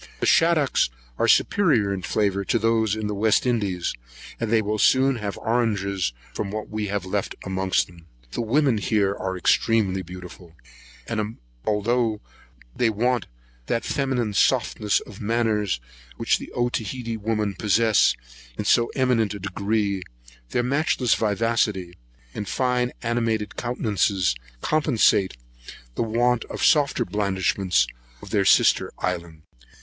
The shaddocks are superior in flavour to those of the West Indies; and they will soon have oranges from what we have left amongst them. The women here are extremely beautiful; and although they want that feminine softness of manners which the Otaheite women possess in so eminent a degree, their matchless vivacity, and fine animated countenances, compensate the want of the softer blandishments of their sister island.